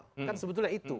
kan sebetulnya itu